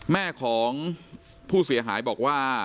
แม่ของผู้เสียหายบอกว่า